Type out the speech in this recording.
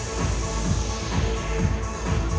ขอบคุณครับ